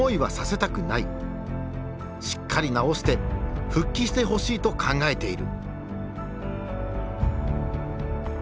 しっかり治して復帰してほしいと考えている。